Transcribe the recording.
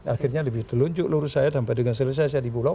akhirnya lebih telunjuk lurus saya sampai dengan selesai saya di bulog